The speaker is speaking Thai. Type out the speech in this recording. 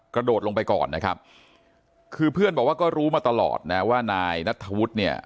กระโดดลงไปก่อนนะครับคือเพื่อนบอกว่าก็รู้มาตลอดนะว่านายนัทธวุฒิเนี่ย